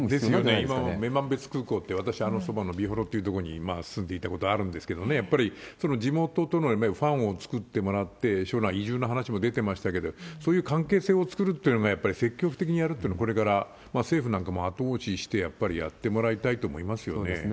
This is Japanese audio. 今の女満別空港って、私、あのそばの美幌っていう所に住んでいたことがあるんですけどね、やっぱりその地元とのファンを作ってもらって、将来移住の話も出てましたけれども、そういう関係性を作るっていうのを、やっぱり積極的にやるっていうのをこれから政府なんかも後押しして、やっぱりやってもらいたいと思いますよね。